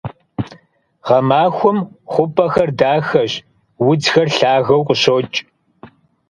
Гъэмахуэм хъупӀэхэр дахэщ, удзхэр лъагэу къыщокӀ.